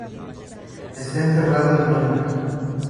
Está enterrado en Iona.